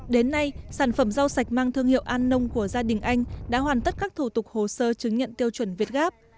đến nay sản phẩm rau sạch mang thương hiệu an nông của gia đình anh đã hoàn tất các thủ tục hồ sơ chứng nhận tiêu chuẩn việt gáp